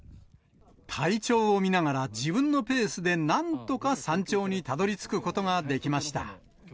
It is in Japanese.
体調を見ながら、自分のペースでなんとか山頂にたどりつくことができました。